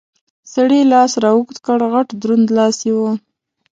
سړي لاس را اوږد کړ، غټ دروند لاس یې و.